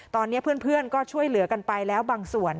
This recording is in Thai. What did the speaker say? ตอนนี้เพื่อนก็ช่วยเหลือกันไปแล้วบางส่วน